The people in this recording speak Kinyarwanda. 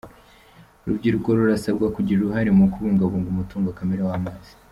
Urubyiruko rurasabwa kugira uruhare mu kubungabunga umutungo kamere w’amazi